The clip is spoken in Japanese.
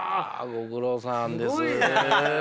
「ご苦労さんです」。